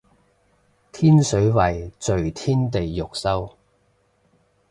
天水圍墮天地獄獸